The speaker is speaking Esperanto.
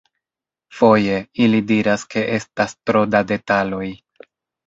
Foje, ili diras ke estas tro da detaloj.